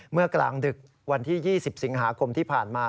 เมื่อกลางดึกวันที่๒๐สิงหาคมที่ผ่านมา